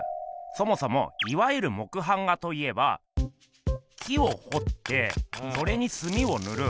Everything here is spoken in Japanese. そもそもいわゆる木版画といえば木をほってそれにすみをぬる。